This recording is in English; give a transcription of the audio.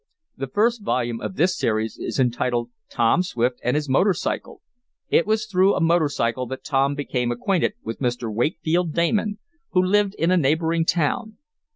The first volume of this series is entitled, "Tom Swift and His Motor Cycle." It was through a motor cycle that Tom became acquainted with Mr. Wakefield Damon, who lived in a neighboring town.